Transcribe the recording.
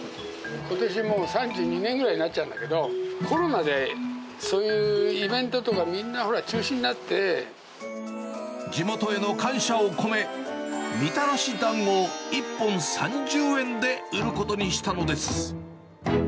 ことしもう、３２年ぐらいになっちゃうんだけど、コロナで、そういうイベント地元への感謝を込め、みたらしだんごを１本３０円で売ることにしたのです。